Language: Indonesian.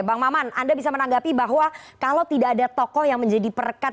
bang maman anda bisa menanggapi bahwa kalau tidak ada tokoh yang menjadi perekat